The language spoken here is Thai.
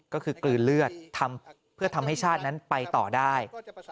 ก็คือกลืนเลือดเพื่อทำให้ชาตินั้นไปต่อได้